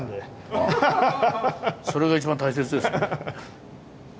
それが一番大切ですね。